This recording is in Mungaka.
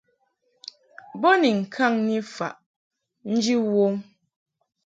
Bo ni ŋkaŋki faʼ nji wom.